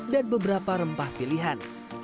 dan beberapa rempah pilihan